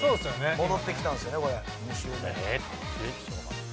戻ってきたんですよねこれ。